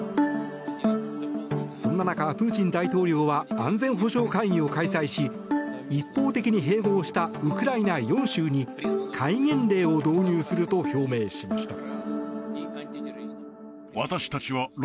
そんな中、プーチン大統領は安全保障会議を開催し一方的に併合したウクライナ４州に戒厳令を導入すると表明しました。